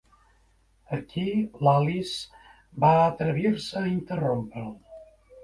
Aquí l'Alice va atrevir-se a interrompre'l.